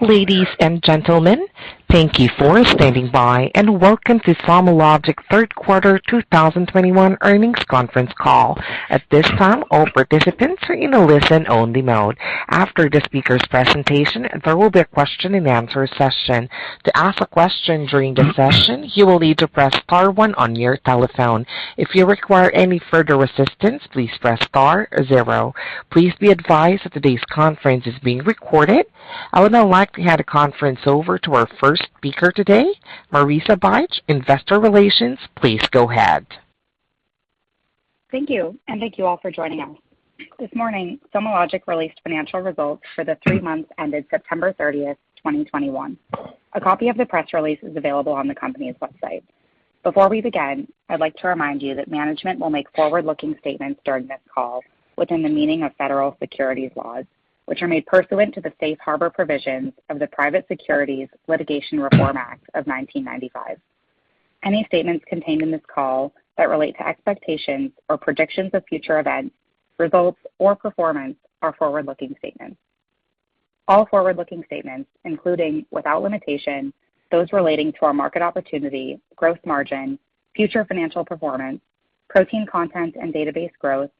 Ladies, and gentlemen, thank you for standing by, and welcome to SomaLogic Third Quarter 2021 Earnings Conference Call. At this time, all participants are in a listen-only mode. After the speaker's presentation, there will be a question-and-answer session. To ask a question during the session, you will need to press star one on your telephone. If you require any further assistance, please press star zero. Please be advised that today's conference is being recorded. I would now like to hand the conference over to our first speaker today, Marissa Bych, Investor Relations. Please go ahead. Thank you, and thank you all for joining us. This morning, SomaLogic released financial results for the three months ended September 30, 2021. A copy of the press release is available on the company's website. Before we begin, I'd like to remind you that management will make forward-looking statements during this call within the meaning of federal securities laws, which are made pursuant to the Safe Harbor provisions of the Private Securities Litigation Reform Act of 1995. Any statements contained in this call that relate to expectations or predictions of future events, results, or performance are forward-looking statements. All forward-looking statements, including, without limitation, those relating to our market opportunity, gross margin, future financial performance, protein content and database growth,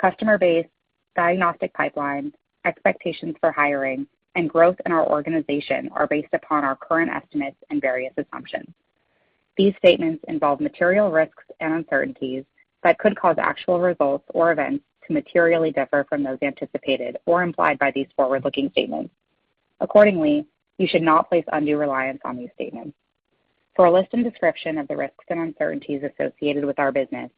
customer base, diagnostic pipeline, expectations for hiring and growth in our organization, are based upon our current estimates and various assumptions. These statements involve material risks and uncertainties that could cause actual results or events to materially differ from those anticipated or implied by these forward-looking statements. Accordingly, you should not place undue reliance on these statements. For a list and description of the risks and uncertainties associated with our business,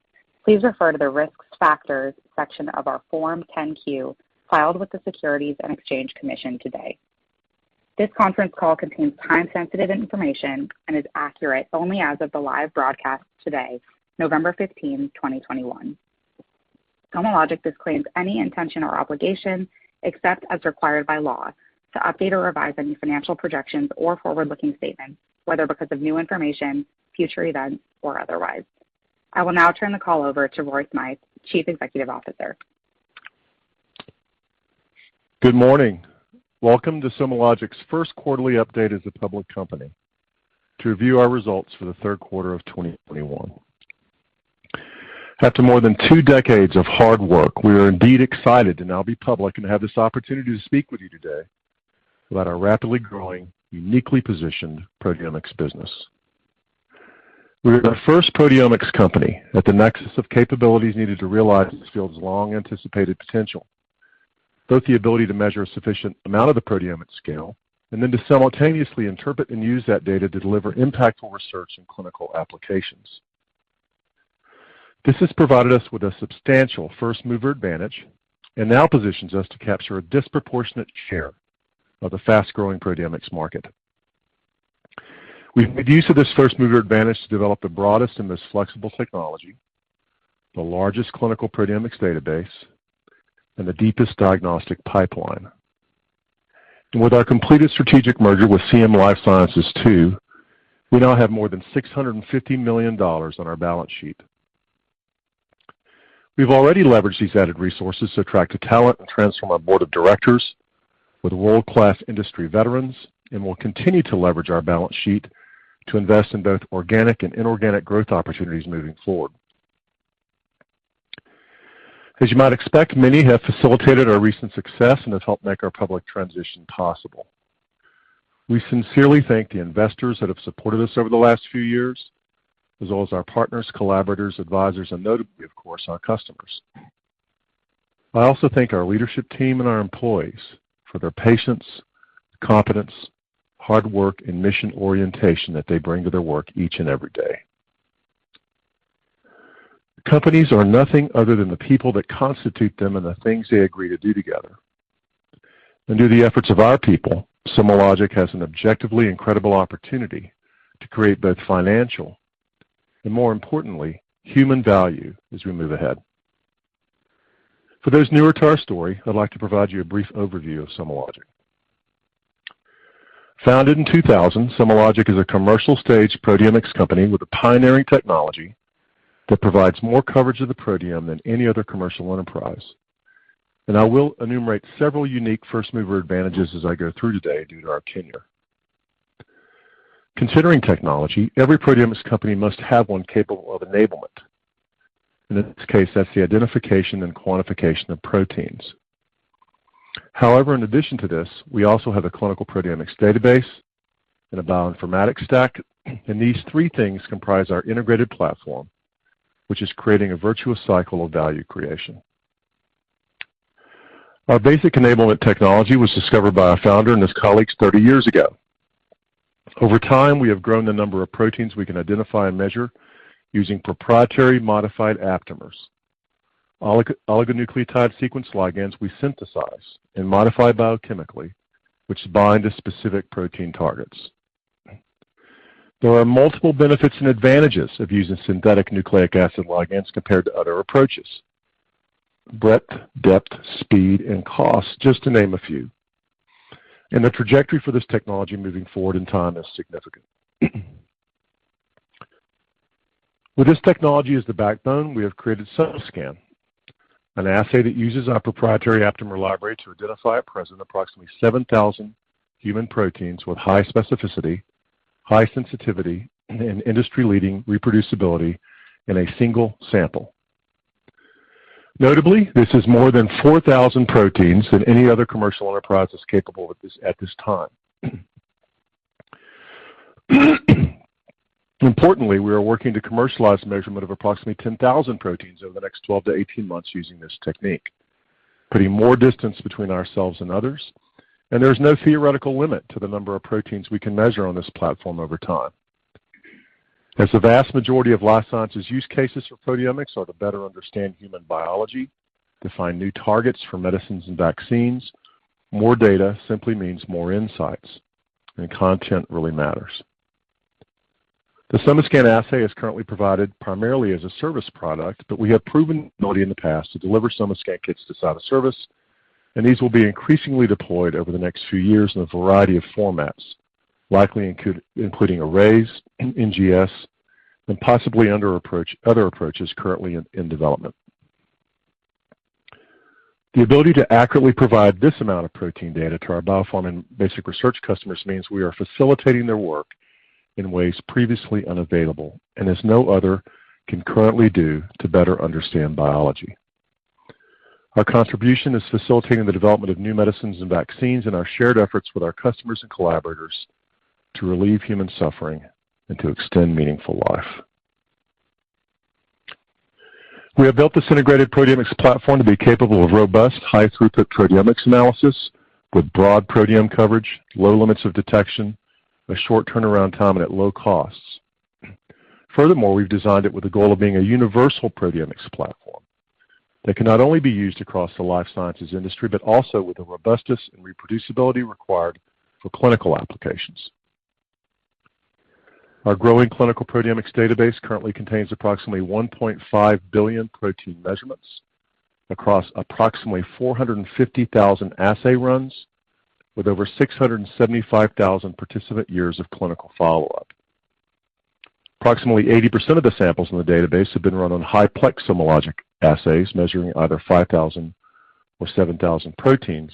please refer to the Risk Factors section of our Form 10-Q filed with the Securities and Exchange Commission today. This conference call contains time-sensitive information and is accurate only as of the live broadcast today, November 15, 2021. SomaLogic disclaims any intention or obligation, except as required by law, to update or revise any financial projections or forward-looking statements, whether because of new information, future events, or otherwise. I will now turn the call over to Roy Smythe, Chief Executive Officer. Good morning. Welcome to SomaLogic's first quarterly update as a public company to review our results for the third quarter of 2021. After more than two decades of hard work, we are indeed excited to now be public and have this opportunity to speak with you today about our rapidly growing, uniquely positioned proteomics business. We are the first proteomics company at the nexus of capabilities needed to realize this field's long anticipated potential, both the ability to measure a sufficient amount of the proteomic scale and then to simultaneously interpret and use that data to deliver impactful research and clinical applications. This has provided us with a substantial first mover advantage and now positions us to capture a disproportionate share of the fast-growing proteomics market. We've made use of this first mover advantage to develop the broadest and most flexible technology, the largest clinical proteomics database, and the deepest diagnostic pipeline. With our completed strategic merger with CM Life Sciences II, we now have more than $650 million on our balance sheet. We've already leveraged these added resources to attract talent and transform our board of directors with world-class industry veterans and will continue to leverage our balance sheet to invest in both organic and inorganic growth opportunities moving forward. As you might expect, many have facilitated our recent success and have helped make our public transition possible. We sincerely thank the investors that have supported us over the last few years, as well as our partners, collaborators, advisors, and notably, of course, our customers. I also thank our leadership team and our employees for their patience, competence, hard work, and mission orientation that they bring to their work each and every day. Companies are nothing other than the people that constitute them and the things they agree to do together. Through the efforts of our people, SomaLogic has an objectively incredible opportunity to create both financial and, more importantly, human value as we move ahead. For those newer to our story, I'd like to provide you a brief overview of SomaLogic. Founded in 2000, SomaLogic is a commercial stage proteomics company with a pioneering technology that provides more coverage of the proteome than any other commercial enterprise. I will enumerate several unique first mover advantages as I go through today due to our tenure. Considering technology, every proteomics company must have one capable of enablement. In this case, that's the identification and quantification of proteins. However, in addition to this, we also have a clinical proteomics database and a bioinformatics stack, and these three things comprise our integrated platform, which is creating a virtuous cycle of value creation. Our basic enablement technology was discovered by our founder and his colleagues 30 years ago. Over time, we have grown the number of proteins we can identify and measure using proprietary modified aptamers, oligonucleotide sequence ligands we synthesize and modify biochemically, which bind to specific protein targets. There are multiple benefits and advantages of using synthetic nucleic acid ligands compared to other approaches. Breadth, depth, speed, and cost, just to name a few. The trajectory for this technology moving forward in time is significant. With this technology as the backbone, we have created SomaScan, an assay that uses our proprietary aptamer library to identify approximately 7,000 human proteins with high specificity, high sensitivity, and industry-leading reproducibility in a single sample. Notably, this is more than 4,000 proteins than any other commercial enterprise is capable of this at this time. Importantly, we are working to commercialize measurement of approximately 10,000 proteins over the next 12-18 months using this technique, putting more distance between ourselves and others, and there's no theoretical limit to the number of proteins we can measure on this platform over time. As the vast majority of life sciences use cases for proteomics are to better understand human biology, to find new targets for medicines and vaccines, more data simply means more insights, and content really matters. The SomaScan assay is currently provided primarily as a service product, but we have proven ability in the past to deliver SomaScan kits to site of service, and these will be increasingly deployed over the next few years in a variety of formats, likely including arrays, NGS, and possibly other approaches currently in development. The ability to accurately provide this amount of protein data to our biopharma and basic research customers means we are facilitating their work in ways previously unavailable and as no other can currently do to better understand biology. Our contribution is facilitating the development of new medicines and vaccines in our shared efforts with our customers and collaborators to relieve human suffering and to extend meaningful life. We have built this integrated proteomics platform to be capable of robust, high-throughput proteomics analysis with broad proteome coverage, low limits of detection, a short turnaround time and at low costs. Furthermore, we've designed it with the goal of being a universal proteomics platform that can not only be used across the life sciences industry, but also with the robustness and reproducibility required for clinical applications. Our growing clinical proteomics database currently contains approximately 1.5 billion protein measurements across approximately 450,000 assay runs with over 675,000 participant years of clinical follow-up. Approximately 80% of the samples in the database have been run on high-plex SomaLogic assays measuring either 5,000 or 7,000 proteins,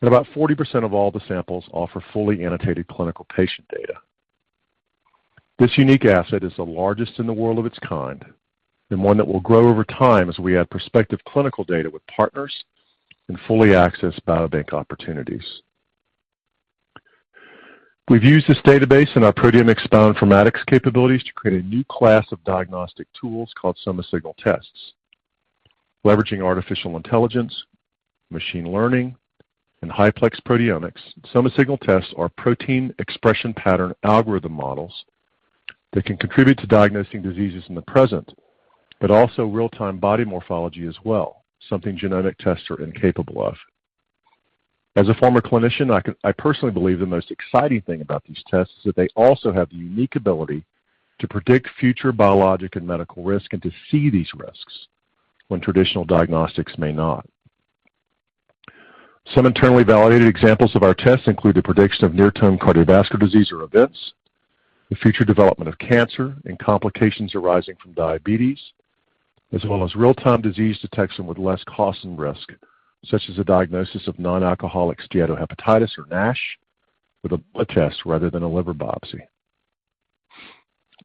and about 40% of all the samples offer fully annotated clinical patient data. This unique asset is the largest in the world of its kind, and one that will grow over time as we add prospective clinical data with partners and fully access biobank opportunities. We've used this database in our proteomics bioinformatics capabilities to create a new class of diagnostic tools called SomaSignal tests. Leveraging artificial intelligence, machine learning, and high-plex proteomics, SomaSignal tests are protein expression pattern algorithm models that can contribute to diagnosing diseases in the present, but also real-time body morphology as well, something genetic tests are incapable of. As a former clinician, I can... I personally believe the most exciting thing about these tests is that they also have the unique ability to predict future biologic and medical risk and to see these risks when traditional diagnostics may not. Some internally validated examples of our tests include the prediction of near-term cardiovascular disease or events, the future development of cancer, and complications arising from diabetes, as well as real-time disease detection with less cost and risk, such as the diagnosis of non-alcoholic steatohepatitis or NASH, with a test rather than a liver biopsy.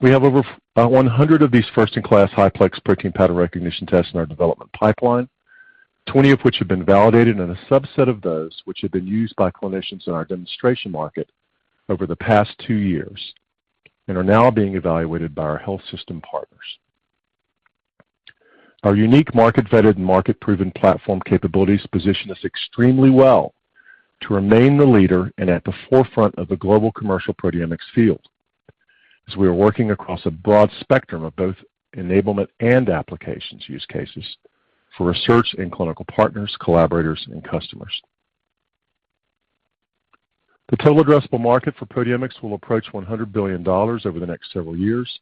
We have over 100 of these first-in-class highplex protein pattern recognition tests in our development pipeline, 20 of which have been validated, and a subset of those which have been used by clinicians in our demonstration market over the past two years and are now being evaluated by our health system partners. Our unique market-vetted and market-proven platform capabilities position us extremely well to remain the leader and at the forefront of the global commercial proteomics field as we are working across a broad spectrum of both enablement and applications use cases for research in clinical partners, collaborators, and customers. The total addressable market for proteomics will approach $100 billion over the next several years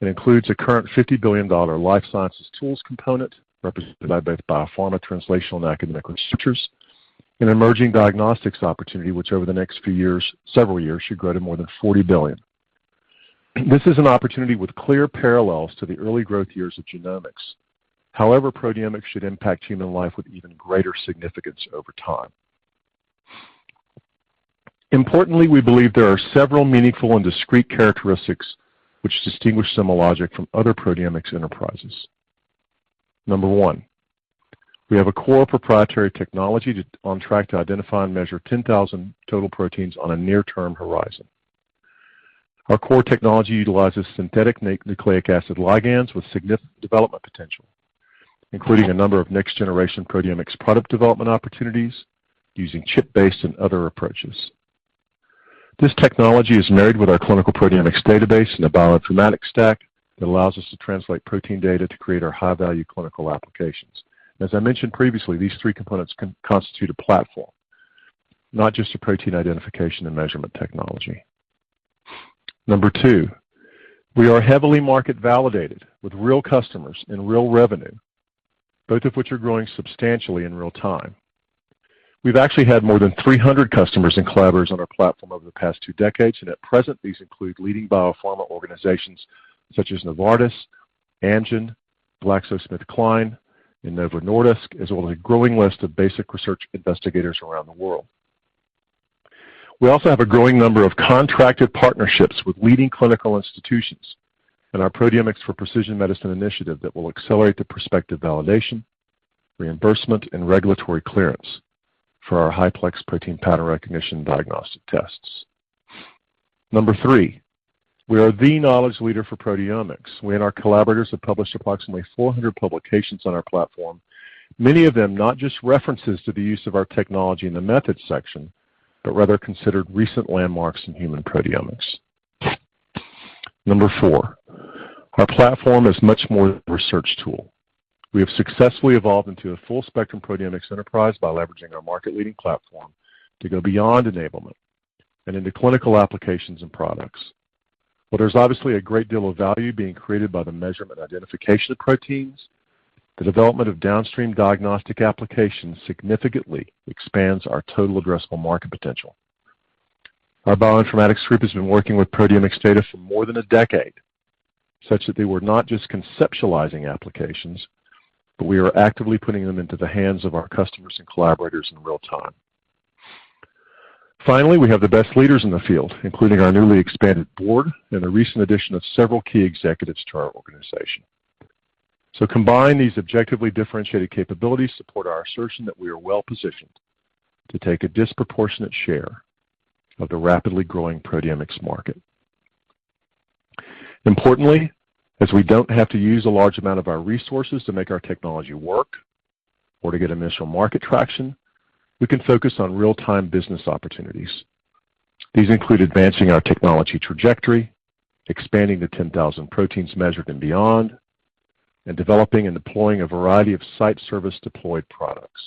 and includes a current $50 billion life sciences tools component represented by both biopharma translational and academic researchers, and emerging diagnostics opportunity which over the next few years, several years, should grow to more than $40 billion. This is an opportunity with clear parallels to the early growth years of genomics. However, proteomics should impact human life with even greater significance over time. Importantly, we believe there are several meaningful and discrete characteristics which distinguish SomaLogic from other proteomics enterprises. Number one, we have a core proprietary technology on track to identify and measure 10,000 total proteins on a near-term horizon. Our core technology utilizes synthetic nucleic acid ligands with significant development potential, including a number of next-generation proteomics product development opportunities using chip-based and other approaches. This technology is married with our clinical proteomics database in a bioinformatics stack that allows us to translate protein data to create our high-value clinical applications. As I mentioned previously, these three components constitute a platform, not just a protein identification and measurement technology. Number two, we are heavily market validated with real customers and real revenue, both of which are growing substantially in real time. We've actually had more than 300 customers and collaborators on our platform over the past two decades, and at present, these include leading biopharma organizations such as Novartis, Amgen, GlaxoSmithKline, and Novo Nordisk, as well as a growing list of basic research investigators around the world. We also have a growing number of contracted partnerships with leading clinical institutions and our Proteomics for Precision Medicine initiative that will accelerate the prospective validation, reimbursement, and regulatory clearance for our high-plex protein pattern recognition diagnostic tests. Number three, we are the knowledge leader for proteomics. We and our collaborators have published approximately 400 publications on our platform, many of them not just references to the use of our technology in the methods section, but rather considered recent landmarks in human proteomics. Number four, our platform is much more than a research tool. We have successfully evolved into a full-spectrum proteomics enterprise by leveraging our market-leading platform to go beyond enablement and into clinical applications and products. While there's obviously a great deal of value being created by the measurement identification of proteins, the development of downstream diagnostic applications significantly expands our total addressable market potential. Our bioinformatics group has been working with proteomics data for more than a decade, such that they were not just conceptualizing applications, but we are actively putting them into the hands of our customers and collaborators in real time. Finally, we have the best leaders in the field, including our newly expanded board and a recent addition of several key executives to our organization. Combined, these objectively differentiated capabilities support our assertion that we are well-positioned to take a disproportionate share of the rapidly growing proteomics market. Importantly, as we don't have to use a large amount of our resources to make our technology work or to get initial market traction, we can focus on real-time business opportunities. These include advancing our technology trajectory, expanding to 10,000 proteins measured and beyond, and developing and deploying a variety of site service deployed products.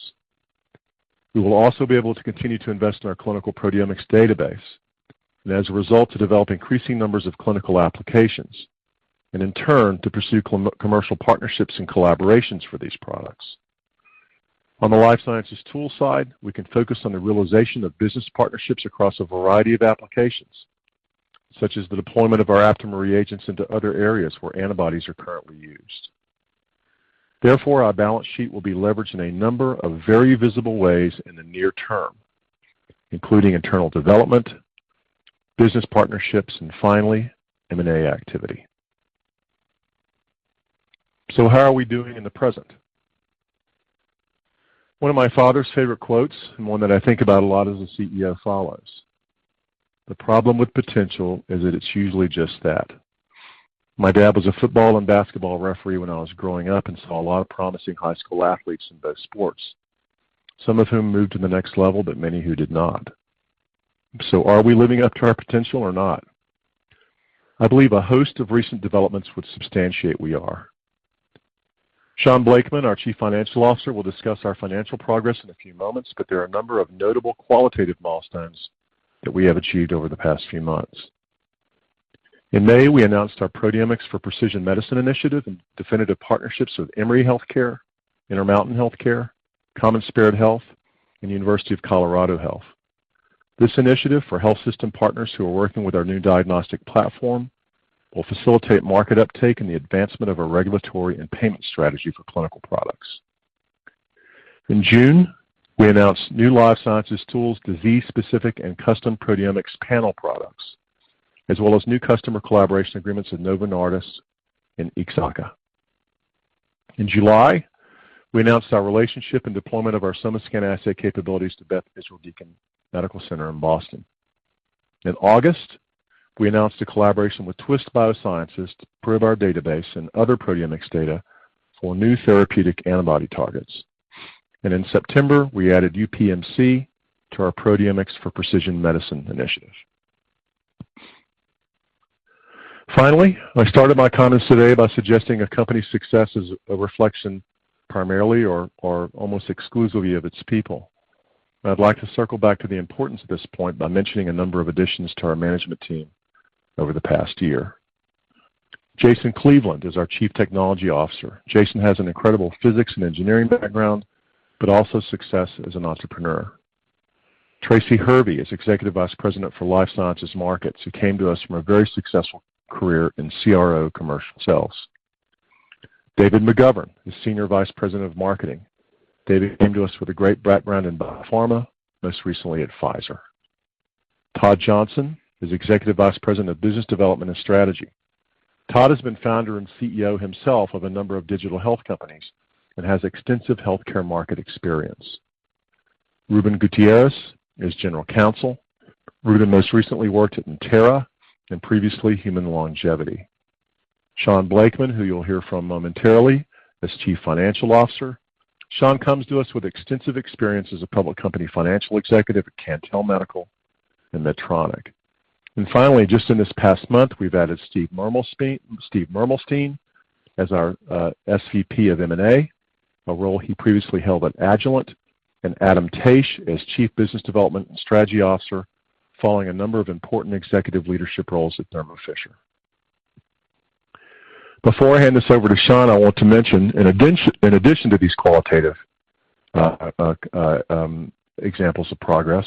We will also be able to continue to invest in our clinical proteomics database and as a result, to develop increasing numbers of clinical applications and in turn, to pursue commercial partnerships and collaborations for these products. On the life sciences tools side, we can focus on the realization of business partnerships across a variety of applications, such as the deployment of our aptamer reagents into other areas where antibodies are currently used. Therefore, our balance sheet will be leveraged in a number of very visible ways in the near term, including internal development, business partnerships, and finally, M&A activity. How are we doing in the present? One of my father's favorite quotes, and one that I think about a lot as a CEO, follows: "The problem with potential is that it's usually just that." My dad was a football and basketball referee when I was growing up and saw a lot of promising high school athletes in both sports, some of whom moved to the next level, but many who did not. Are we living up to our potential or not? I believe a host of recent developments would substantiate we are. Shaun Blakeman, our Chief Financial Officer, will discuss our financial progress in a few moments, but there are a number of notable qualitative milestones that we have achieved over the past few months. In May, we announced our Proteomics for Precision Medicine initiative and definitive partnerships with Emory Healthcare, Intermountain Healthcare, CommonSpirit Health, and University of Colorado Health. This initiative for health system partners who are working with our new diagnostic platform will facilitate market uptake and the advancement of a regulatory and payment strategy for clinical products. In June, we announced new life sciences tools, disease-specific and custom proteomics panel products, as well as new customer collaboration agreements with Novo Nordisk and Ixaka. In July, we announced our relationship and deployment of our SomaScan assay capabilities to Beth Israel Deaconess Medical Center in Boston. In August, we announced a collaboration with Twist Bioscience to improve our database and other proteomics data for new therapeutic antibody targets. In September, we added UPMC to our Proteomics for Precision Medicine initiative. Finally, I started my comments today by suggesting a company's success is a reflection primarily or almost exclusively of its people. I'd like to circle back to the importance of this point by mentioning a number of additions to our management team over the past year. Jason Cleveland is our Chief Technology Officer. Jason has an incredible physics and engineering background, but also success as an entrepreneur. Tracy Hervey is Executive Vice President for Life Sciences Markets, who came to us from a very successful career in CRO commercial sales. David McGovern is Senior Vice President of Marketing. David came to us with a great background in biopharma, most recently at Pfizer. Todd Johnson is Executive Vice President of Business Development and Strategy. Todd has been Founder and CEO himself of a number of digital health companies and has extensive healthcare market experience. Ruben Gutierrez is General Counsel. Ruben most recently worked at Natera and previously Human Longevity. Shaun Blakeman, who you'll hear from momentarily, is Chief Financial Officer. Shaun comes to us with extensive experience as a public company financial executive at Cantel Medical and Medtronic. Finally, just in this past month, we've added Steve Mermelstein as our SVP of M&A, a role he previously held at Agilent, and Adam Taich as Chief Business Development and Strategy Officer, following a number of important executive leadership roles at Thermo Fisher. Before I hand this over to Shaun, I want to mention in addition to these qualitative examples of progress,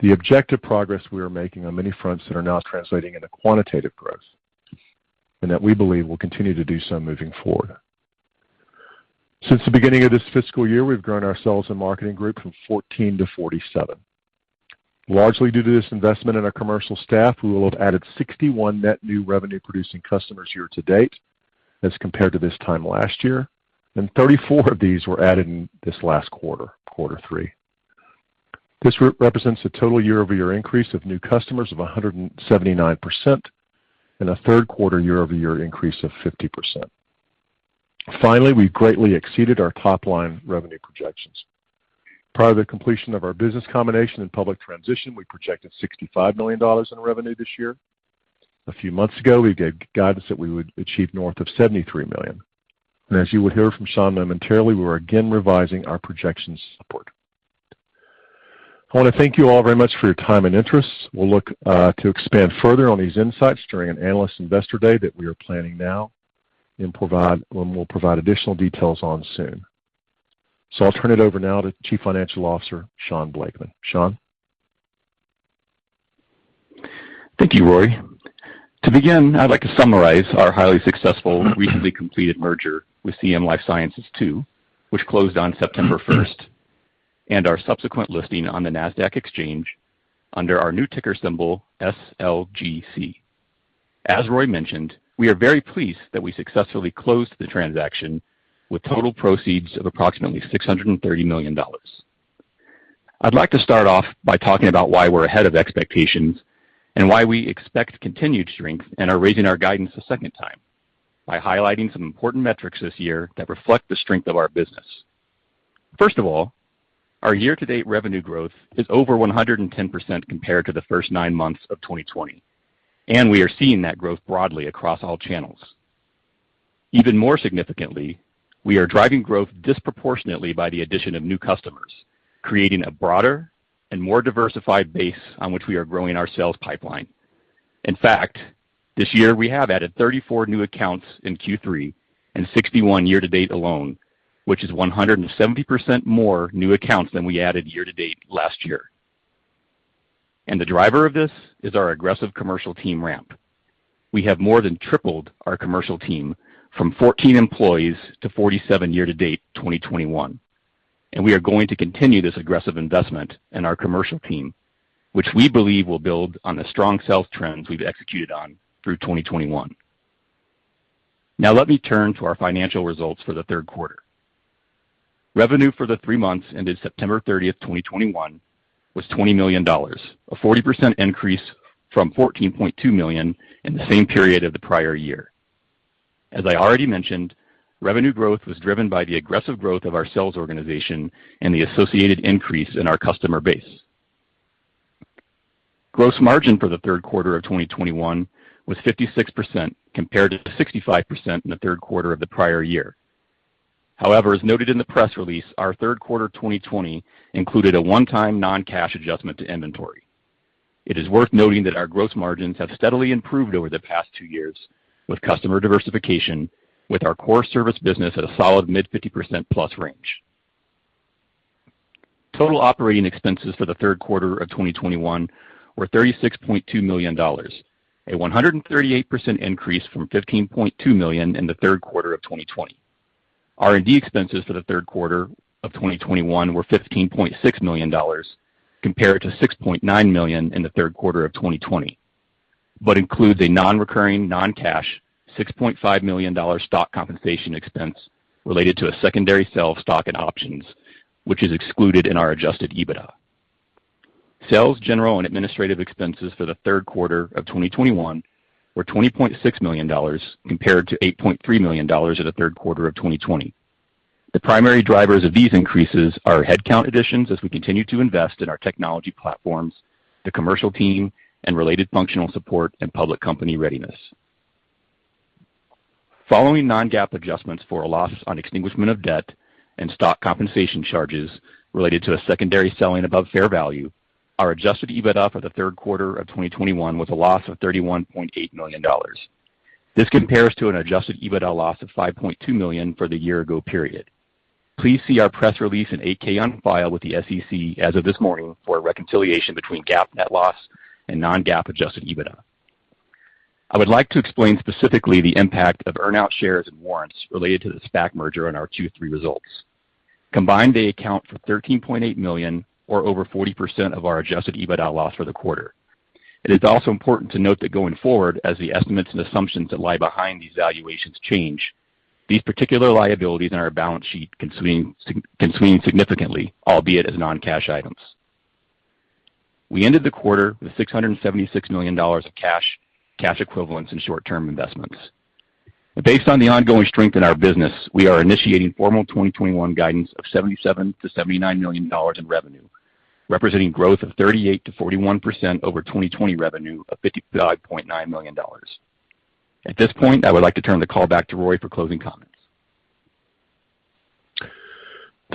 the objective progress we are making on many fronts that are now translating into quantitative growth and that we believe will continue to do so moving forward. Since the beginning of this fiscal year, we've grown our sales and marketing group from 14 to 47. Largely due to this investment in our commercial staff, we will have added 61 net new revenue-producing customers year-to-date as compared to this time last year, and 34 of these were added in this last quarter three. This represents a total year-over-year increase of new customers of 179% and a third quarter year-over-year increase of 50%. Finally, we've greatly exceeded our top line revenue projections. Prior to the completion of our business combination and public transition, we projected $65 million in revenue this year. A few months ago, we gave guidance that we would achieve north of $73 million. As you will hear from Shaun momentarily, we are again revising our projections upward. I wanna thank you all very much for your time and interest. We'll look to expand further on these insights during an Analyst/Investor Day that we are planning now, when we'll provide additional details on soon. I'll turn it over now to Chief Financial Officer Shaun Blakeman. Shaun? Thank you, Roy. To begin, I'd like to summarize our highly successful recently completed merger with CM Life Sciences II, which closed on September first, and our subsequent listing on the Nasdaq exchange under our new ticker symbol SLGC. As Roy mentioned, we are very pleased that we successfully closed the transaction with total proceeds of approximately $630 million. I'd like to start off by talking about why we're ahead of expectations and why we expect continued strength and are raising our guidance a second time by highlighting some important metrics this year that reflect the strength of our business. First of all, our year-to-date revenue growth is over 110% compared to the first nine months of 2020, and we are seeing that growth broadly across all channels. Even more significantly, we are driving growth disproportionately by the addition of new customers, creating a broader and more diversified base on which we are growing our sales pipeline. In fact, this year we have added 34 new accounts in Q3 and 61 year-to-date alone, which is 170% more new accounts than we added year-to-date last year. The driver of this is our aggressive commercial team ramp. We have more than tripled our commercial team from 14 employees to 47 year-to-date, 2021. We are going to continue this aggressive investment in our commercial team, which we believe will build on the strong sales trends we've executed on through 2021. Now let me turn to our financial results for the third quarter. Revenue for the three months ended September 30th, 2021 was $20 million, a 40% increase from $14.2 million in the same period of the prior year. As I already mentioned, revenue growth was driven by the aggressive growth of our sales organization and the associated increase in our customer base. Gross margin for the third quarter of 2021 was 56% compared to 65% in the third quarter of the prior year. However, as noted in the press release, our third quarter 2020 included a one-time non-cash adjustment to inventory. It is worth noting that our gross margins have steadily improved over the past two years with customer diversification with our core service business at a solid mid 50%+ range. Total operating expenses for the third quarter of 2021 were $36.2 million, 138% increase from $15.2 million in the third quarter of 2020. R&D expenses for the third quarter of 2021 were $15.6 million compared to $6.9 million in the third quarter of 2020, but includes a non-recurring, non-cash $6.5 million stock compensation expense related to a secondary sale of stock and options, which is excluded in our Adjusted EBITDA. Sales, general, and administrative expenses for the third quarter of 2021 were $20.6 million compared to $8.3 million in the third quarter of 2020. The primary drivers of these increases are headcount additions as we continue to invest in our technology platforms, the commercial team, and related functional support and public company readiness. Following non-GAAP adjustments for a loss on extinguishment of debt and stock compensation charges related to a secondary selling above fair value, our Adjusted EBITDA for the third quarter of 2021 was a loss of $31.8 million. This compares to an Adjusted EBITDA loss of $5.2 million for the year ago period. Please see our press release and 8-K on file with the SEC as of this morning for a reconciliation between GAAP net loss and non-GAAP Adjusted EBITDA. I would like to explain specifically the impact of earn-out shares and warrants related to the SPAC merger in our Q3 results. Combined, they account for $13.8 million or over 40% of our Adjusted EBITDA loss for the quarter. It is also important to note that going forward as the estimates and assumptions that lie behind these valuations change, these particular liabilities in our balance sheet can swing significantly, albeit as non-cash items. We ended the quarter with $676 million of cash equivalents, and short-term investments. Based on the ongoing strength in our business, we are initiating formal 2021 guidance of $77 million-$79 million in revenue, representing growth of 38%-41% over 2020 revenue of $55.9 million. At this point, I would like to turn the call back to Roy for closing comments.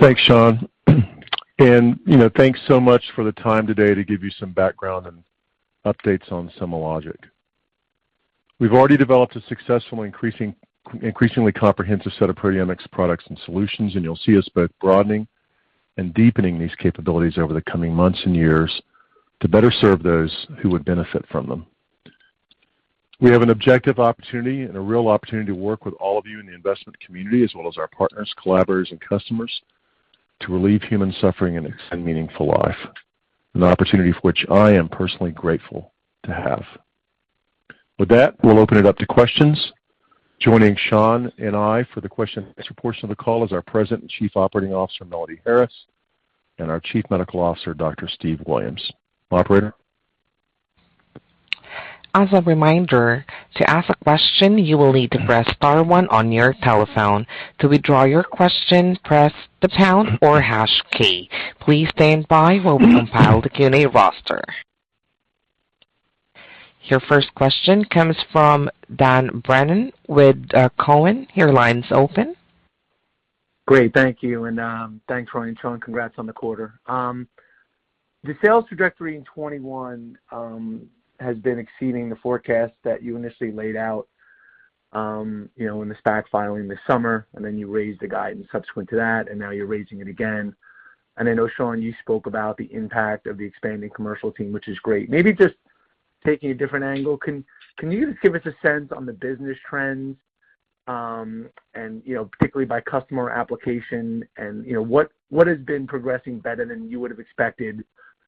Thanks, Shaun. You know, thanks so much for the time today to give you some background and updates on SomaLogic. We've already developed a successful, increasingly comprehensive set of proteomics products and solutions, and you'll see us both broadening and deepening these capabilities over the coming months and years to better serve those who would benefit from them. We have an objective opportunity and a real opportunity to work with all of you in the investment community as well as our partners, collaborators, and customers to relieve human suffering and extend meaningful life, an opportunity for which I am personally grateful to have. With that, we'll open it up to questions. Joining Shaun and I for the question-and-answer portion of the call is our President and Chief Operating Officer, Melody Harris, and our Chief Medical Officer, Dr. Steve Williams. Operator? As a reminder, to ask a question, you will need to press star one on your telephone. To withdraw your question, press the pound or hash key. Please stand by while we compile the Q&A roster. Your first question comes from Dan Brennan with TD Cowen. Your line's open. Great. Thank you. Thanks, Roy, and Shaun. Congrats on the quarter. The sales trajectory in 2021 has been exceeding the forecast that you initially laid out, you know, in the SPAC filing this summer, and then you raised the guidance subsequent to that, and now you're raising it again. I know, Shaun, you spoke about the impact of the expanding commercial team, which is great. Maybe just taking a different angle, can you just give us a sense on the business trends, and, you know, particularly by customer application and, you know, what has been progressing better than you would have expected,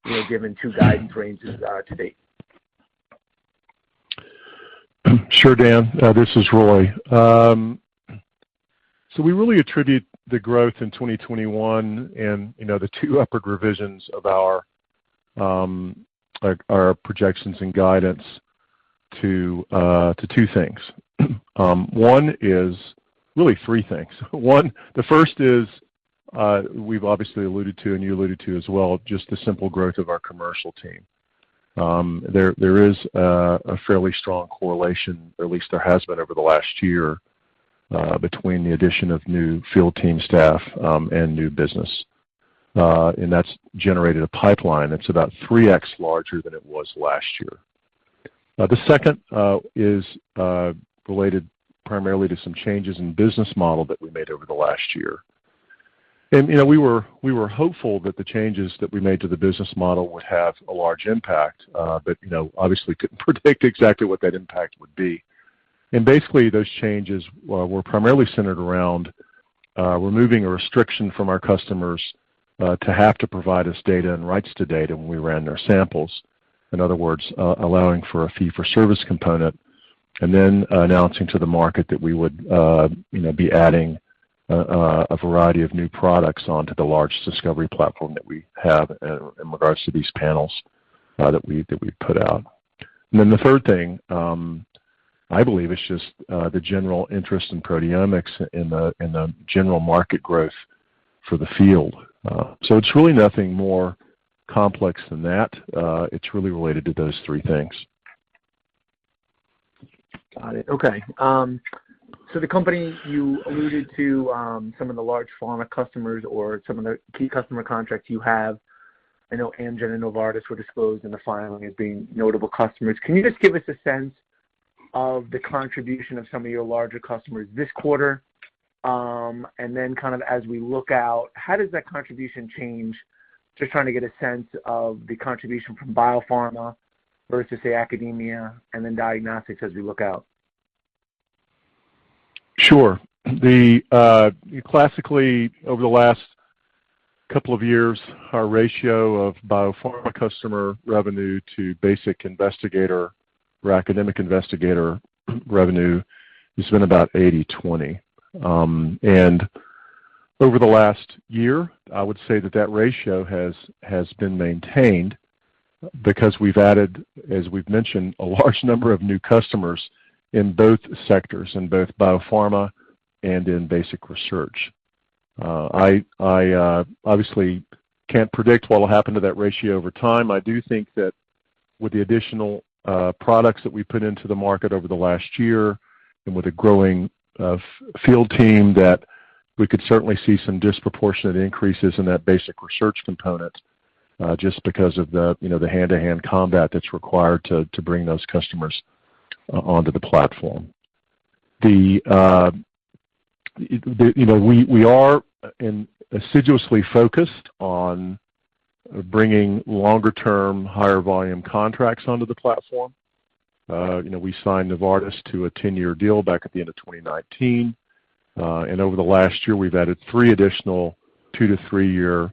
you know, given two guidance ranges to date? Sure, Dan. This is Roy. So we really attribute the growth in 2021 and, you know, the two upward revisions of our projections and guidance to two things. Really three things. One, the first is, we've obviously alluded to and you alluded to as well, just the simple growth of our commercial team. There is a fairly strong correlation, or at least there has been over the last year, between the addition of new field team staff and new business. And that's generated a pipeline that's about 3x larger than it was last year. The second is related primarily to some changes in business model that we made over the last year. You know, we were hopeful that the changes that we made to the business model would have a large impact, but you know, obviously couldn't predict exactly what that impact would be. Basically, those changes were primarily centered around removing a restriction from our customers to have to provide us data and rights to data when we ran their samples. In other words, allowing for a fee for service component and then announcing to the market that we would you know be adding a variety of new products onto the large discovery platform that we have in regards to these panels that we put out. Then the third thing, I believe, is just the general interest in proteomics and the general market growth for the field. It's really nothing more complex than that. It's really related to those three things. Got it. Okay. The company, you alluded to, some of the large pharma customers or some of the key customer contracts you have. I know Amgen and Novartis were disclosed in the filing as being notable customers. Can you just give us a sense of the contribution of some of your larger customers this quarter? Kind of as we look out, how does that contribution change? Just trying to get a sense of the contribution from biopharma versus, say, academia and then diagnostics as we look out. Sure. Classically, over the last couple of years, our ratio of biopharma customer revenue to basic investigator or academic investigator revenue has been about 80/20. Over the last year, I would say that ratio has been maintained because we've added, as we've mentioned, a large number of new customers in both sectors, in both biopharma and in basic research. I obviously can't predict what will happen to that ratio over time. I do think that with the additional products that we put into the market over the last year and with a growing field team, that we could certainly see some disproportionate increases in that basic research component, just because of the, you know, the hand-to-hand combat that's required to bring those customers onto the platform. You know, we are assiduously focused on bringing longer term, higher volume contracts onto the platform. You know, we signed Novartis to a 10-year deal back at the end of 2019. Over the last year, we've added three additional two to three year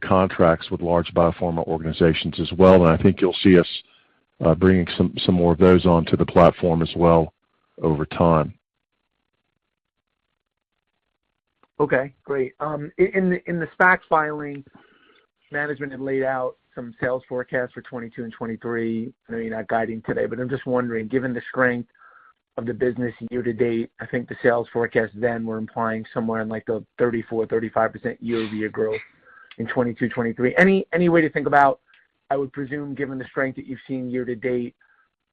contracts with large biopharma organizations as well. I think you'll see us bringing some more of those onto the platform as well over time. Okay, great. In the SPAC filing, management had laid out some sales forecasts for 2022 and 2023. I know you're not guiding today, but I'm just wondering, given the strength of the business year-to-date, I think the sales forecasts then were implying somewhere in, like, 34%-35% year-over-year growth in 2022, 2023. Any way to think about. I would presume, given the strength that you've seen year-to-date,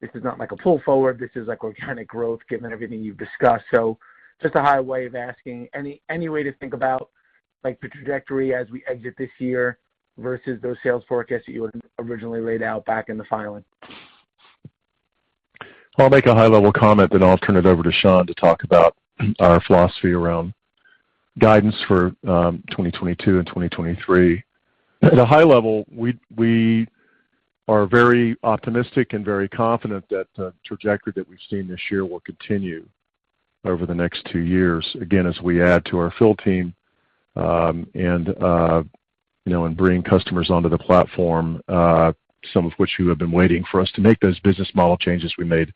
this is not like a pull forward, this is like organic growth, given everything you've discussed. So just a high-level way of asking, any way to think about, like, the trajectory as we exit this year versus those sales forecasts that you had originally laid out back in the filing. Well, I'll make a high-level comment, then I'll turn it over to Shaun to talk about our philosophy around guidance for 2022 and 2023. At a high level, we are very optimistic and very confident that the trajectory that we've seen this year will continue over the next two years, again, as we add to our field team, and you know, and bring customers onto the platform, some of which who have been waiting for us to make those business model changes we made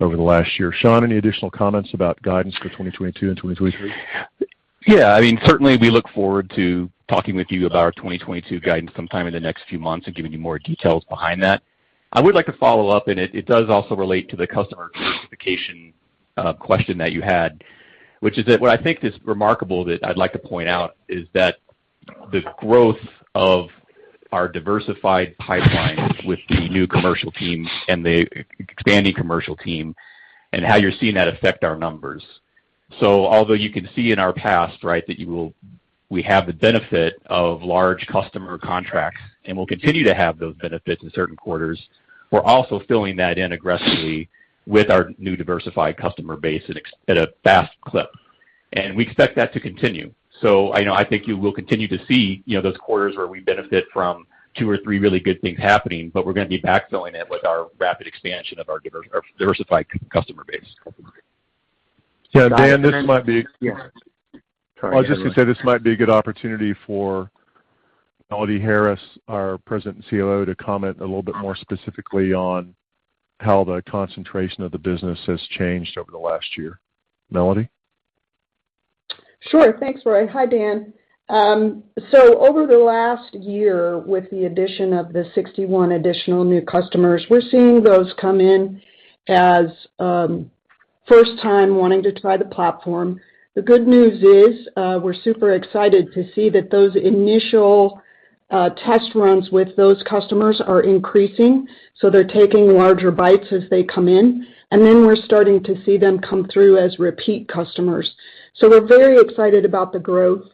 over the last year. Shaun, any additional comments about guidance for 2022 and 2023? Yeah. I mean, certainly we look forward to talking with you about our 2022 guidance sometime in the next few months and giving you more details behind that. I would like to follow up, and it does also relate to the customer diversification question that you had, which is that what I think is remarkable that I'd like to point out is that the growth of our diversified pipeline with the new commercial team and the expanding commercial team and how you're seeing that affect our numbers. Although you can see in our past, right, that we have the benefit of large customer contracts and will continue to have those benefits in certain quarters, we're also filling that in aggressively with our new diversified customer base at a fast clip, and we expect that to continue. I know I think you will continue to see, you know, those quarters where we benefit from two or three really good things happening, but we're gonna be backfilling it with our rapid expansion of our diversified customer base. Yeah, Dan, this might be. Yeah. Sorry, go ahead. I was just gonna say, this might be a good opportunity for Melody Harris, our President and COO, to comment a little bit more specifically on how the concentration of the business has changed over the last year. Melody? Sure. Thanks, Roy. Hi, Dan. Over the last year, with the addition of the 61 additional new customers, we're seeing those come in as first time wanting to try the platform. The good news is, we're super excited to see that those initial test runs with those customers are increasing, they're taking larger bites as they come in. We're starting to see them come through as repeat customers. We're very excited about the growth.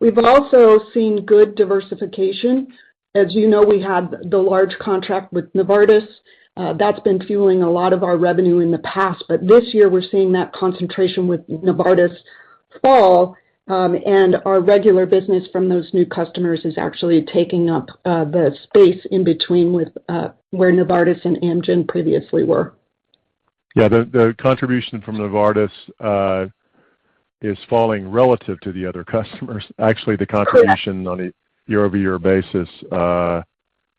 We've also seen good diversification. As you know, we had the large contract with Novartis. That's been fueling a lot of our revenue in the past. This year, we're seeing that concentration with Novartis fall, and our regular business from those new customers is actually taking up the space in between with where Novartis and Amgen previously were. Yeah. The contribution from Novartis is falling relative to the other customers. Actually, the contribution Correct... on a year-over-year basis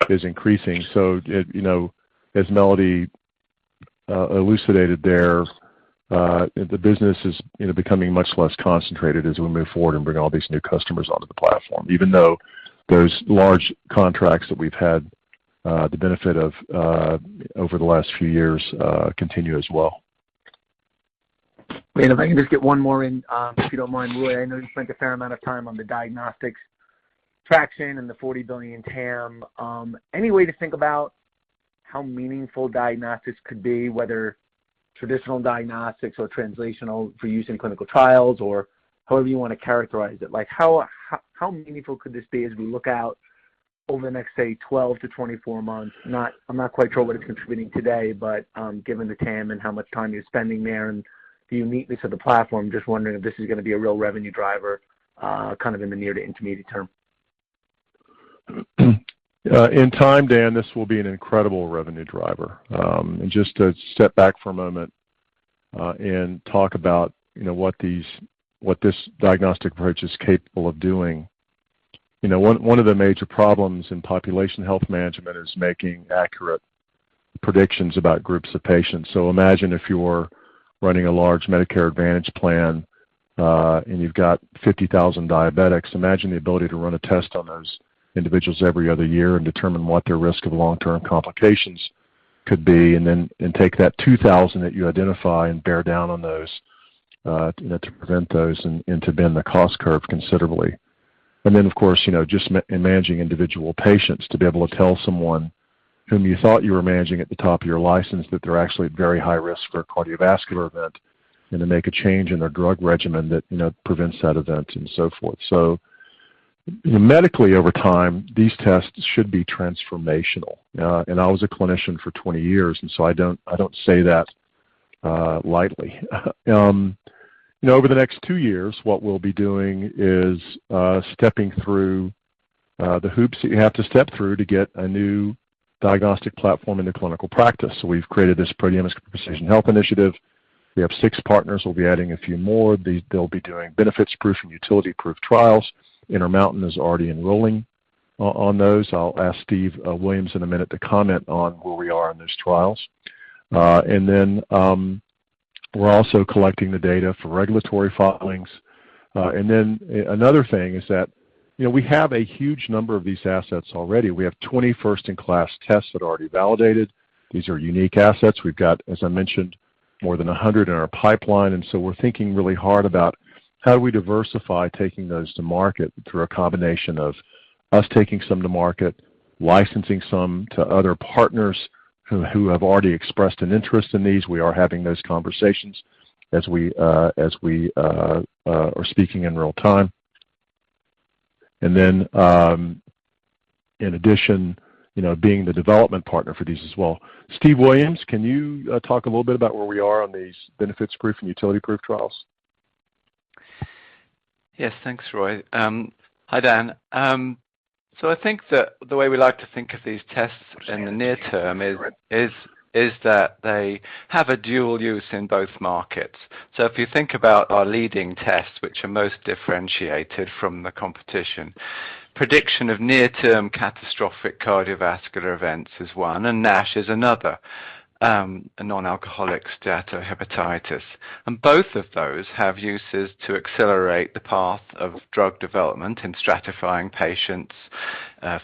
is increasing. It, you know, as Melody elucidated there, the business is, you know, becoming much less concentrated as we move forward and bring all these new customers onto the platform, even though those large contracts that we've had, the benefit of, over the last few years, continue as well. If I can just get one more in, if you don't mind, Roy. I know you spent a fair amount of time on the diagnostics traction and the $40 billion TAM. Any way to think about how meaningful diagnostics could be, whether traditional diagnostics or translational for use in clinical trials or however you wanna characterize it? Like, how meaningful could this be as we look out over the next, say, 12-24 months? I'm not quite sure what it's contributing today, but, given the TAM and how much time you're spending there and the uniqueness of the platform, just wondering if this is gonna be a real revenue driver, kind of in the near to intermediate term. In time, Dan, this will be an incredible revenue driver. Just to step back for a moment, and talk about, you know, what this diagnostic approach is capable of doing. You know, one of the major problems in population health management is making accurate predictions about groups of patients. Imagine if you're running a large Medicare Advantage plan, and you've got 50,000 diabetics. Imagine the ability to run a test on those individuals every other year and determine what their risk of long-term complications could be, and then take that 2,000 that you identify and bear down on those, you know, to prevent those and to bend the cost curve considerably. Of course, you know, just in managing individual patients, to be able to tell someone whom you thought you were managing at the top of your license, that they're actually at very high risk for a cardiovascular event, and to make a change in their drug regimen that, you know, prevents that event and so forth. Medically, over time, these tests should be transformational. I was a clinician for 20 years, and I don't say that lightly. You know, over the next two years, what we'll be doing is stepping through the hoops that you have to step through to get a new diagnostic platform into clinical practice. We've created this Proteomics Precision Health Initiative. We have six partners. We'll be adding a few more. They'll be doing benefits proof and utility proof trials. Intermountain is already enrolling on those. I'll ask Steve Williams in a minute to comment on where we are in those trials. We're also collecting the data for regulatory filings. Another thing is that, you know, we have a huge number of these assets already. We have 20 first-in-class tests that are already validated. These are unique assets. We've got, as I mentioned, more than 100 in our pipeline. We're thinking really hard about how do we diversify taking those to market through a combination of us taking some to market, licensing some to other partners who have already expressed an interest in these. We are having those conversations as we are speaking in real-time. In addition, you know, being the development partner for these as well. Steve Williams, can you talk a little bit about where we are on these benefits group and utility group trials? Yes. Thanks, Roy. Hi, Dan. I think that the way we like to think of these tests in the near term is that they have a dual use in both markets. If you think about our leading tests, which are most differentiated from the competition, prediction of near-term catastrophic cardiovascular events is one, and NASH is another, a non-alcoholic steatohepatitis. Both of those have uses to accelerate the path of drug development in stratifying patients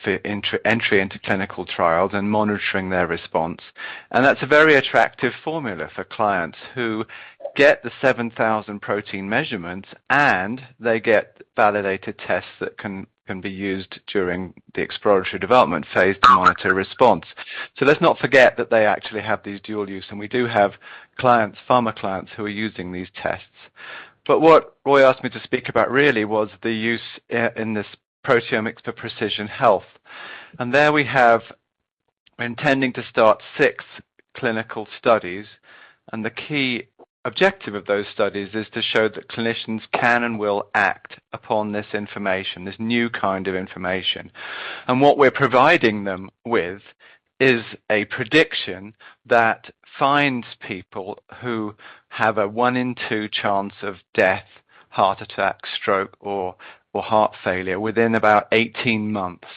for entry into clinical trials and monitoring their response. That's a very attractive formula for clients who get the 7,000 protein measurements, and they get validated tests that can be used during the exploratory development phase to monitor response. Let's not forget that they actually have these dual use, and we do have clients, pharma clients who are using these tests. What Roy asked me to speak about really was the use in this Proteomics for Precision Health. There we have intending to start six clinical studies, and the key objective of those studies is to show that clinicians can and will act upon this information, this new kind of information. What we're providing them with is a prediction that finds people who have a one in two chance of death, heart attack, stroke, or heart failure within about 18 months.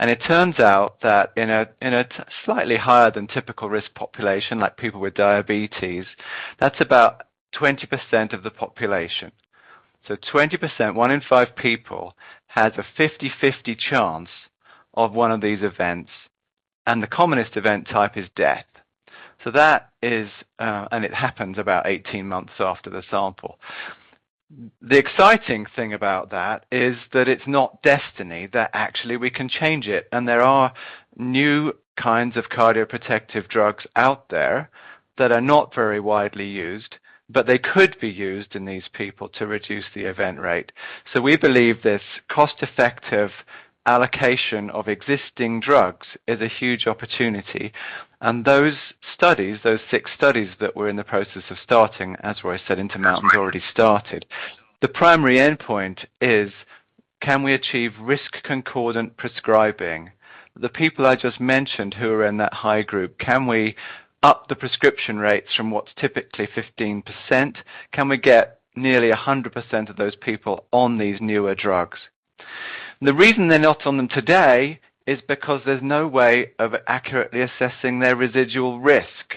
It turns out that in a slightly higher than typical risk population, like people with diabetes, that's about 20% of the population. 20%, one in five people, has a 50/50 chance of one of these events, and the commonest event type is death. That is, it happens about 18 months after the sample. The exciting thing about that is that it's not destiny, that actually we can change it. There are new kinds of cardioprotective drugs out there that are not very widely used, but they could be used in these people to reduce the event rate. We believe this cost-effective allocation of existing drugs is a huge opportunity. Those studies, those six studies that we're in the process of starting, as Roy said, Intermountain's already started. The primary endpoint is, can we achieve risk concordant prescribing? The people I just mentioned who are in that high group, can we up the prescription rates from what's typically 15%? Can we get nearly 100% of those people on these newer drugs? The reason they're not on them today is because there's no way of accurately assessing their residual risk.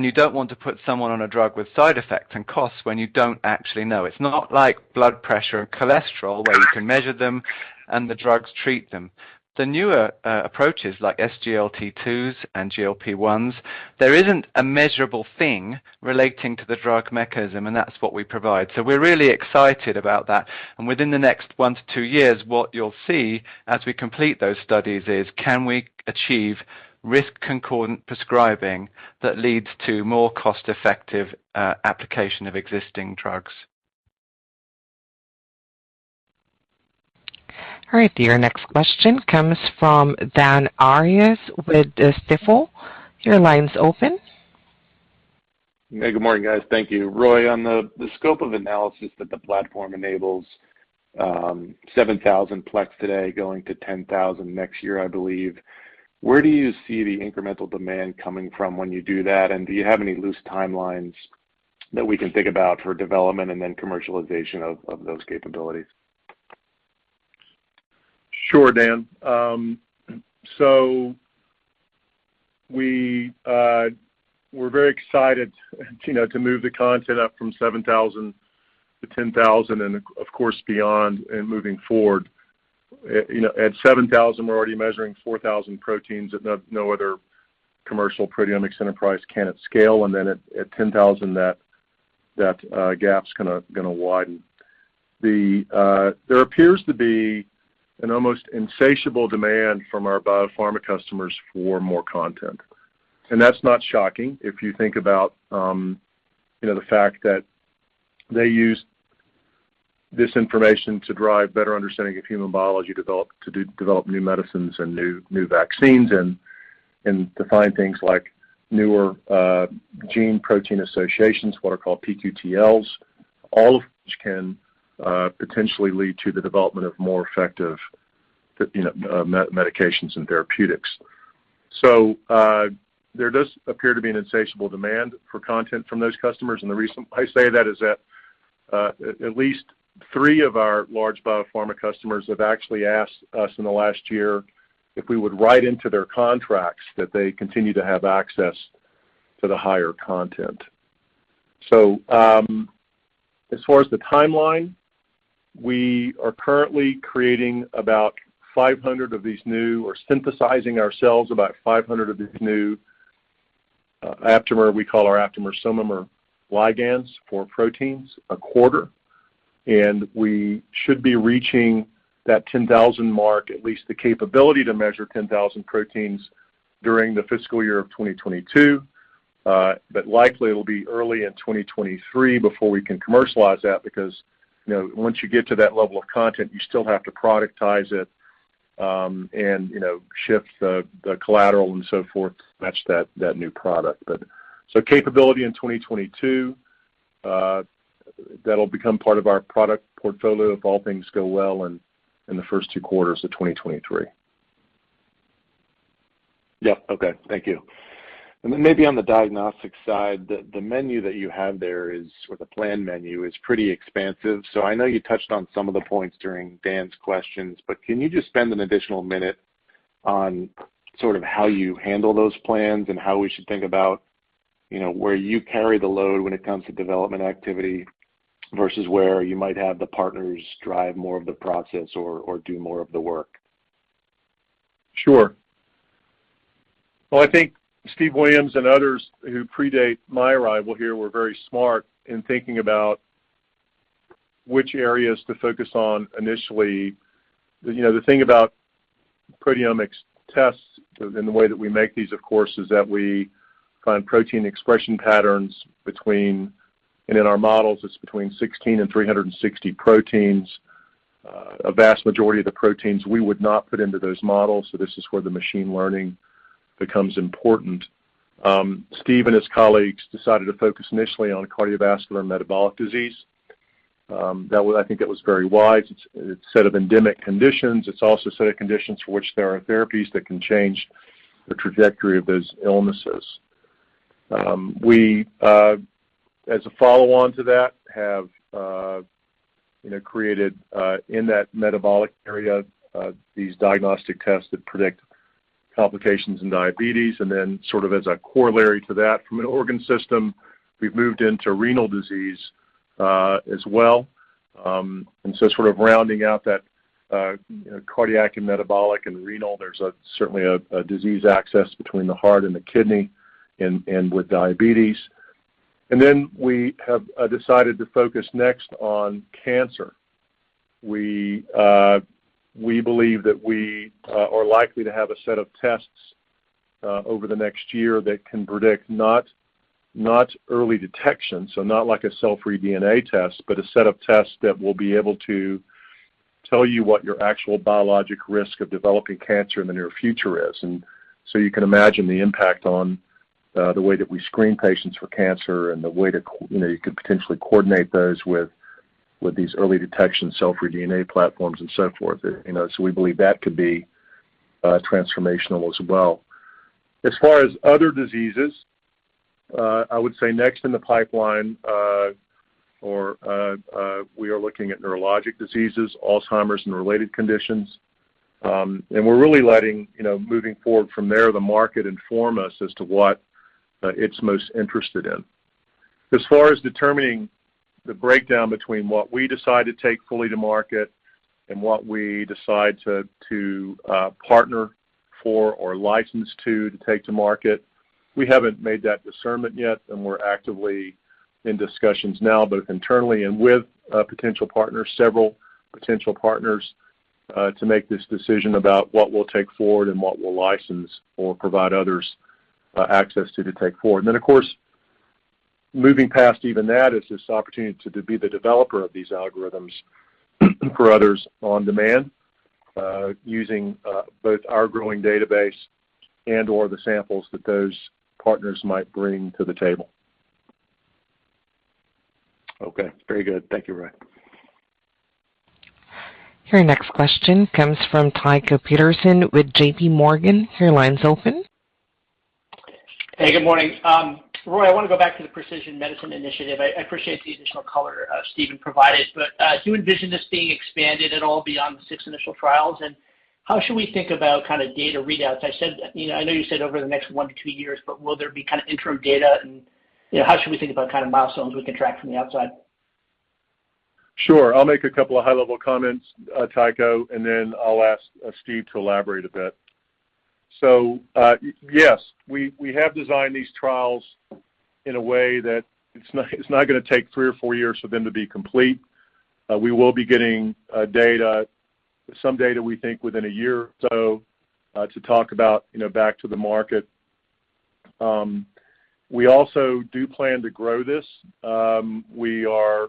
You don't want to put someone on a drug with side effects and costs when you don't actually know. It's not like blood pressure or cholesterol, where you can measure them, and the drugs treat them. The newer approaches like SGLT2s and GLP-1s, there isn't a measurable thing relating to the drug mechanism, and that's what we provide. We're really excited about that. Within the next one to two years, what you'll see as we complete those studies is, can we achieve risk concordant prescribing that leads to more cost-effective application of existing drugs. All right. Your next question comes from Dan Arias with Stifel. Your line's open. Hey, good morning, guys. Thank you. Roy, on the scope of analysis that the platform enables, 7,000-plex today going to 10,000 next year, I believe, where do you see the incremental demand coming from when you do that? Do you have any loose timelines that we can think about for development and then commercialization of those capabilities? Sure, Dan. So we're very excited, you know, to move the content up from 7,000-10,000 and, of course, beyond and moving forward. You know, at 7,000, we're already measuring 4,000 proteins that no other commercial proteomics enterprise can at scale. Then at 10,000, that gap's gonna widen. There appears to be an almost insatiable demand from our biopharma customers for more content. And that's not shocking if you think about, you know, the fact that they use this information to drive better understanding of human biology to develop new medicines and new vaccines and to find things like newer gene protein associations, what are called pQTLs, all of which can potentially lead to the development of more effective, you know, medications and therapeutics. There does appear to be an insatiable demand for content from those customers. The reason I say that is that at least three of our large biopharma customers have actually asked us in the last year if we would write into their contracts that they continue to have access to the higher content. As far as the timeline, we are currently synthesizing ourselves about 500 of these new aptamers. We call our aptamers. Some of them are ligands for proteins per quarter. We should be reaching that 10,000 mark, at least the capability to measure 10,000 proteins during the fiscal year of 2022. Likely it'll be early in 2023 before we can commercialize that because, you know, once you get to that level of content, you still have to productize it, and, you know, shift the collateral and so forth to match that new product. Capability in 2022, that'll become part of our product portfolio if all things go well in the first two quarters of 2023. Yeah. Okay. Thank you. Then maybe on the diagnostic side, the menu that you have there is, or the plan menu is pretty expansive. I know you touched on some of the points during Dan's questions, but can you just spend an additional minute on sort of how you handle those plans and how we should think about, you know, where you carry the load when it comes to development activity versus where you might have the partners drive more of the process or do more of the work? Sure. Well, I think Steve Williams and others who predate my arrival here were very smart in thinking about which areas to focus on initially. You know, the thing about proteomics tests and the way that we make these, of course, is that we find protein expression patterns. In our models, it's between 16 and 360 proteins. A vast majority of the proteins we would not put into those models, so this is where the machine learning becomes important. Steve and his colleagues decided to focus initially on cardiovascular and metabolic disease. I think that was very wise. It's a set of endemic conditions. It's also a set of conditions for which there are therapies that can change the trajectory of those illnesses. We, as a follow-on to that, have, you know, created, in that metabolic area, these diagnostic tests that predict complications in diabetes. Then sort of as a corollary to that from an organ system, we've moved into renal disease, as well. Sort of rounding out that, you know, cardiac and metabolic and renal, there's certainly a disease axis between the heart and the kidney and with diabetes. Then we have decided to focus next on cancer. We believe that we are likely to have a set of tests over the next year that can predict not early detection, so not like a cell-free DNA test, but a set of tests that will be able to tell you what your actual biologic risk of developing cancer in the near future is. You can imagine the impact on the way that we screen patients for cancer and the way you could potentially coordinate those with these early detection cell-free DNA platforms and so forth. You know, we believe that could be transformational as well. As far as other diseases, I would say next in the pipeline, we are looking at neurologic diseases, Alzheimer's and related conditions. We're really letting, you know, moving forward from there, the market inform us as to what it's most interested in. As far as determining the breakdown between what we decide to take fully to market and what we decide to partner for or license to take to market, we haven't made that discernment yet, and we're actively in discussions now, both internally and with potential partners, several potential partners, to make this decision about what we'll take forward and what we'll license or provide others access to take forward. Then, of course, moving past even that is this opportunity to be the developer of these algorithms for others on demand, using both our growing database and/or the samples that those partners might bring to the table. Okay. Very good. Thank you, Roy. Your next question comes from Tycho Peterson with JPMorgan. Your line's open. Hey, good morning. Roy, I want to go back to the Precision Medicine Initiative. I appreciate the additional color Steve provided. Do you envision this being expanded at all beyond the six initial trials? And how should we think about kind of data readouts? I said, you know, I know you said over the next one to two years, but will there be kind of interim data and, you know, how should we think about kind of milestones we can track from the outside? Sure. I'll make a couple of high-level comments, Tycho, and then I'll ask Steve to elaborate a bit. Yes, we have designed these trials in a way that it's not gonna take three or four years for them to be complete. We will be getting some data we think within a year or so to talk about, you know, back to the market. We also do plan to grow this. We are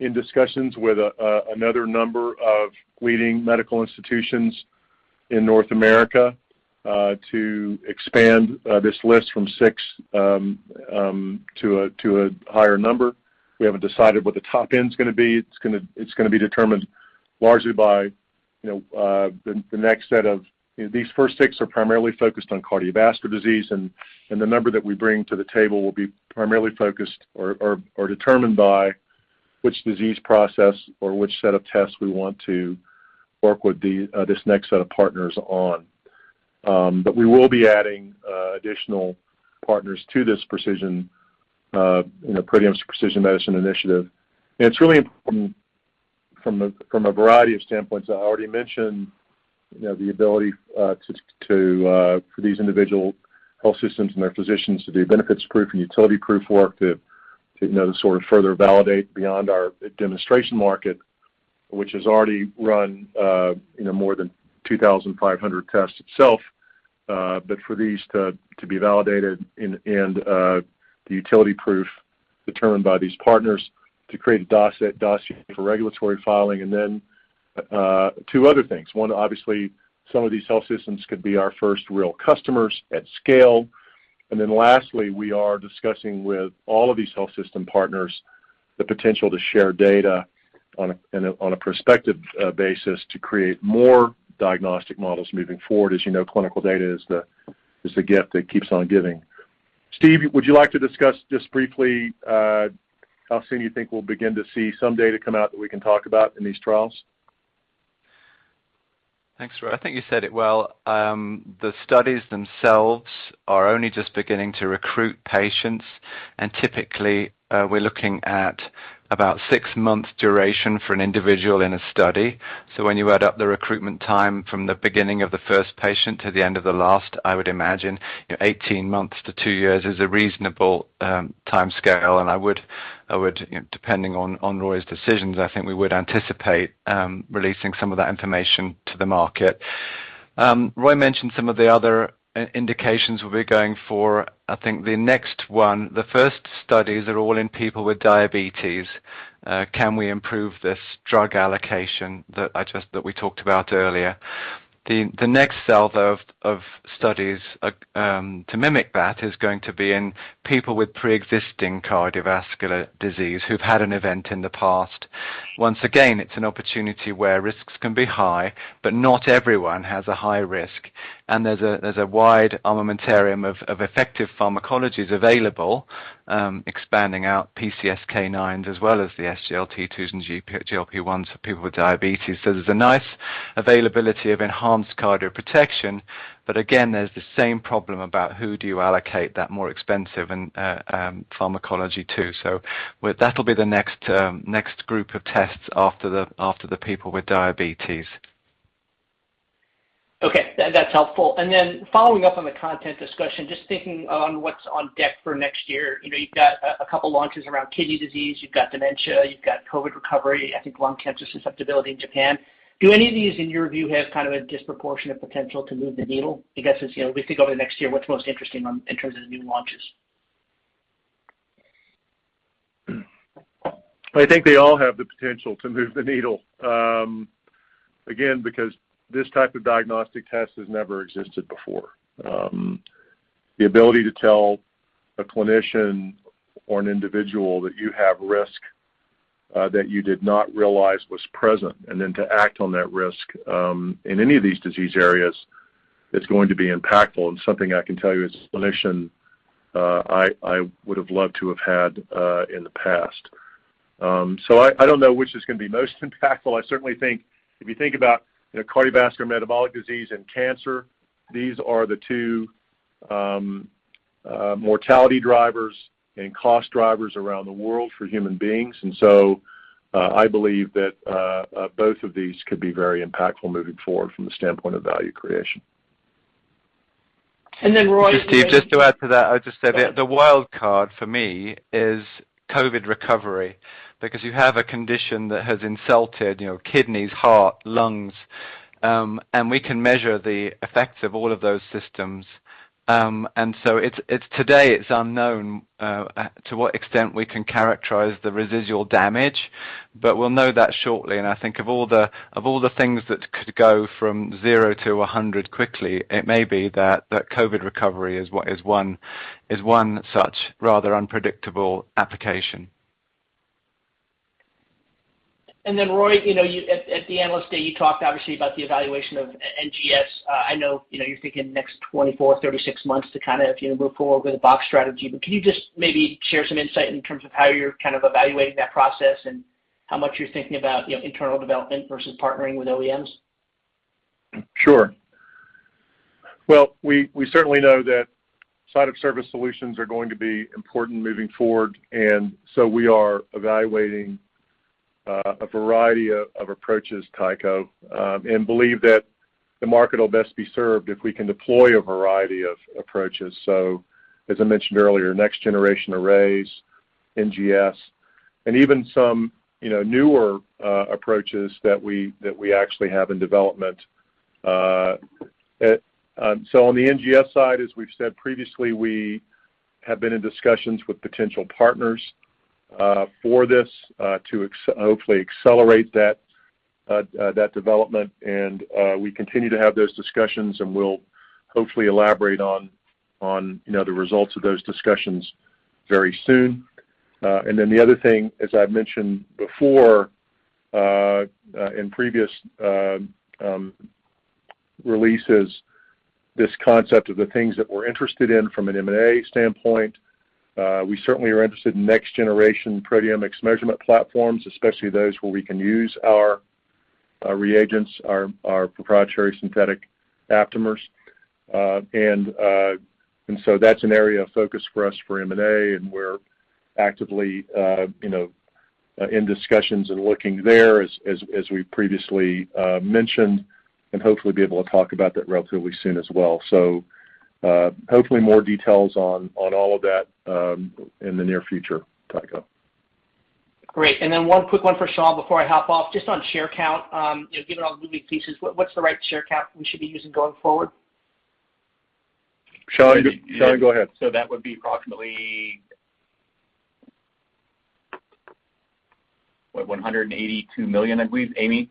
in discussions with a number of leading medical institutions in North America to expand this list from six to a higher number. We haven't decided what the top end's gonna be. It's gonna be determined largely by, you know, the next set of. These first six are primarily focused on cardiovascular disease, and the number that we bring to the table will be primarily focused or determined by which disease process or which set of tests we want to work with this next set of partners on. We will be adding additional partners to this precision, you know, Proteomics' precision medicine initiative. It's really important from a variety of standpoints. I already mentioned, you know, the ability for these individual health systems and their physicians to do benefits proof and utility proof work to you know sort of further validate beyond our demonstration market, which has already run, you know, more than 2,500 tests itself. For these to be validated and the utility proof determined by these partners to create a dossier for regulatory filing. Then, two other things. One, obviously, some of these health systems could be our first real customers at scale. Lastly, we are discussing with all of these health system partners the potential to share data on a prospective basis to create more diagnostic models moving forward. As you know, clinical data is the gift that keeps on giving. Steve, would you like to discuss just briefly how soon you think we'll begin to see some data come out that we can talk about in these trials? Thanks, Roy. I think you said it well. The studies themselves are only just beginning to recruit patients. Typically, we're looking at about six months duration for an individual in a study. When you add up the recruitment time from the beginning of the first patient to the end of the last, I would imagine, you know, 18 months to two years is a reasonable timescale. I would, you know, depending on Roy's decisions, I think we would anticipate releasing some of that information to the market. Roy mentioned some of the other indications we'll be going for. I think the next one, the first studies are all in people with diabetes. Can we improve this drug allocation that we talked about earlier? The next set of studies to mimic that is going to be in people with pre-existing cardiovascular disease who've had an event in the past. Once again, it's an opportunity where risks can be high, but not everyone has a high risk. There's a wide armamentarium of effective pharmacologies available, expanding out PCSK9s as well as the SGLT2s and GLP-1s for people with diabetes. There's a nice availability of enhanced cardio protection. Again, there's the same problem about who do you allocate that more expensive pharmacology to. With that'll be the next group of tests after the people with diabetes. Okay. That's helpful. Then following up on the content discussion, just thinking on what's on deck for next year. You know, you've got a couple launches around kidney disease, you've got dementia, you've got COVID recovery, I think lung cancer susceptibility in Japan. Do any of these, in your view, have kind of a disproportionate potential to move the needle? I guess, as you know, we think over the next year, what's most interesting in terms of new launches? I think they all have the potential to move the needle. Again, because this type of diagnostic test has never existed before. The ability to tell a clinician or an individual that you have risk, that you did not realize was present and then to act on that risk, in any of these disease areas is going to be impactful. Something I can tell you as a clinician, I would have loved to have had in the past. So I don't know which is gonna be most impactful. I certainly think if you think about, you know, cardiovascular metabolic disease and cancer, these are the two mortality drivers and cost drivers around the world for human beings. I believe that both of these could be very impactful moving forward from the standpoint of value creation. Roy Just Steve, just to add to that, I'd just say the wild card for me is COVID recovery because you have a condition that has insulted, you know, kidneys, heart, lungs, and we can measure the effects of all of those systems. It's today it's unknown to what extent we can characterize the residual damage, but we'll know that shortly. I think of all the things that could go from zero to 100 quickly, it may be that COVID recovery is one such rather unpredictable application. Roy, you know, you at the Analyst Day, you talked obviously about the evaluation of NGS. I know, you know, you're thinking next 24-36 months to kinda, you know, move forward with a box strategy. But can you just maybe share some insight in terms of how you're kind of evaluating that process and how much you're thinking about, you know, internal development versus partnering with OEMs? Sure. Well, we certainly know that side of service solutions are going to be important moving forward. We are evaluating a variety of approaches, Tycho, and believe that the market will best be served if we can deploy a variety of approaches. As I mentioned earlier, next generation arrays, NGS, and even some you know newer approaches that we actually have in development. On the NGS side, as we've said previously, we have been in discussions with potential partners for this to hopefully accelerate that development. We continue to have those discussions, and we'll hopefully elaborate on you know the results of those discussions very soon. The other thing, as I've mentioned before, in previous releases, this concept of the things that we're interested in from an M&A standpoint. We certainly are interested in next-generation proteomics measurement platforms, especially those where we can use our reagents, our proprietary synthetic aptamers. That's an area of focus for us for M&A, and we're actively in discussions and looking there as we previously mentioned and hopefully be able to talk about that relatively soon as well. Hopefully more details on all of that in the near future, Tycho. Great. One quick one for Shaun before I hop off, just on share count. You know, given all the moving pieces, what's the right share count we should be using going forward? Shaun, go ahead. That would be approximately $182 million, I believe. Amy?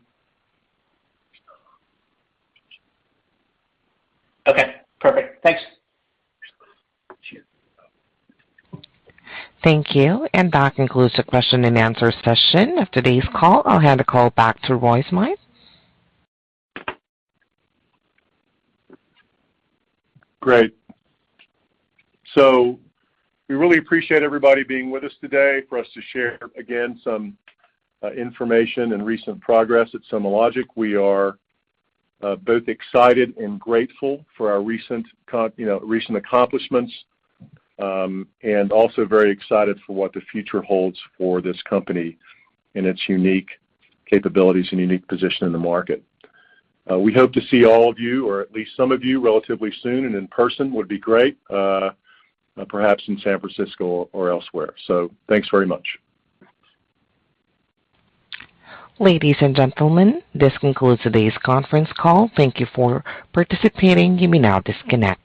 Okay, perfect. Thanks. Thank you. That concludes the question-and-answer session of today's call. I'll hand the call back to Roy Smythe. Great. We really appreciate everybody being with us today for us to share, again, some information and recent progress at SomaLogic. We are both excited and grateful for our recent accomplishments, you know, and also very excited for what the future holds for this company and its unique capabilities and unique position in the market. We hope to see all of you or at least some of you relatively soon, and in person would be great, perhaps in San Francisco or elsewhere. Thanks very much. Ladies, and gentlemen, this concludes today's conference call. Thank you for participating. You may now disconnect.